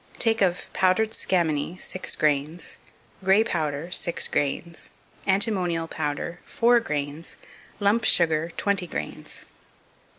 Take of Powdered scammony 6 grains. Grey powder 6 grains. Antimonial powder 4 grains. Lump sugar 20 grains.